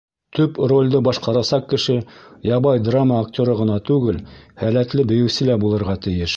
Төп ролде башҡарасаҡ кеше ябай драма актеры ғына түгел, һәләтле бейеүсе лә булырға тейеш.